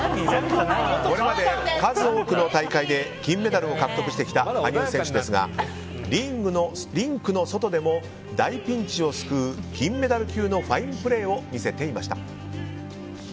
これまで数多くの大会で金メダルを獲得してきた羽生選手ですがリンクの外でも大ピンチを救う金メダル級のファインプレーを見せていました。